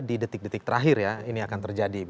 di detik detik terakhir ya ini akan terjadi